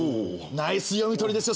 ナイス読み取りですよ